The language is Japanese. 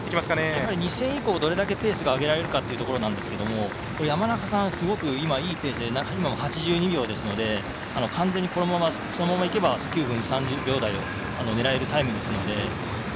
やはり２戦以降どれだけペースが上げられるかというところなんですが山中さん、すごくいいペースで８２秒ですので、このままいけば９分３０秒台が狙えるタイムですね。